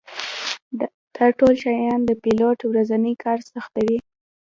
دا ټول شیان د پیلوټ ورځنی کار سختوي